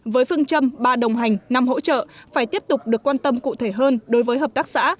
với phương châm ba đồng hành năm hỗ trợ phải tiếp tục được quan tâm cụ thể hơn đối với hợp tác xã